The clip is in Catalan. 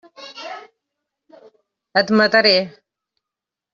Et mataré!